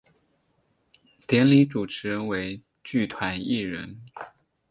典礼主持人为剧团一人。